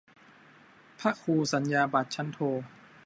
พระครูสัญญาบัตรชั้นโท